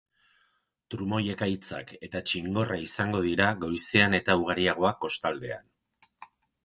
Trumoi-ekaitzak eta txingorra izango dira goizean eta ugariagoak kostaldean.